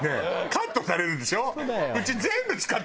カットされるでしょ？